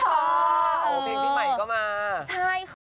เพียงใหม่ก็มา